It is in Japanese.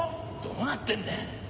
どうなってんだよ。